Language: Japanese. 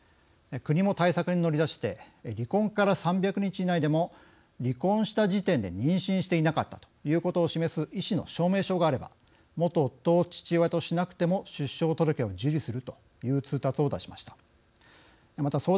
国も対策に乗り出して離婚から３００日以内でも離婚した時点で妊娠していなかったということを示す医師の証明書があれば元夫を父親としなくても出生届を受理するという通達を出しました。